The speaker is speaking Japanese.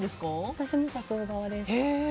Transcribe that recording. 私も誘う側です。